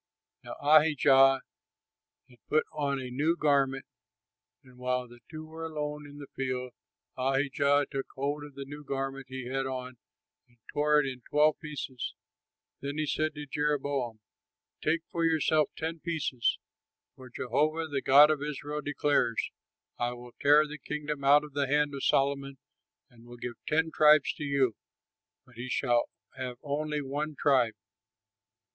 Now Ahijah had put on a new garment, and while they two were alone in the field, Ahijah took hold of the new garment he had on and tore it in twelve pieces. Then he said to Jeroboam, "Take for yourself ten pieces; for Jehovah, the God of Israel, declares, 'I will tear the kingdom out of the hand of Solomon and will give ten tribes to you, but he shall have only one tribe.'"